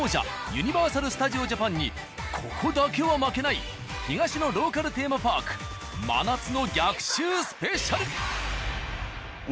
ユニバーサル・スタジオ・ジャパンにここだけは負けない東のローカルテーマパーク真夏の逆襲スペシャル！